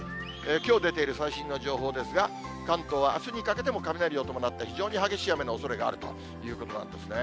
きょう出ている最新の情報ですが、関東はあすにかけても雷を伴った非常に激しい雨のおそれがあるということなんですね。